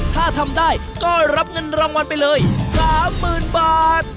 ถ้าทำได้ก็รับเงินรางวัลไปเลย๓๐๐๐บาท